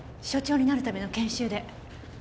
所長になるための研修で。